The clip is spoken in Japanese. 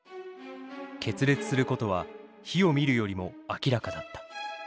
決裂することは火を見るよりも明らかだった。